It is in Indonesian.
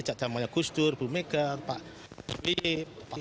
sejak zamannya gus dur bu mega pak wib